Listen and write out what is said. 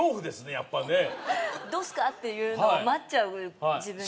やっぱねどうすか？っていうのを待っちゃう自分がいます